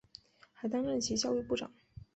还担任其教育部长。